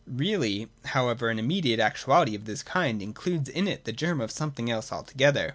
Really however an immediate actuality of this kind includes in it the germ of something else altogether.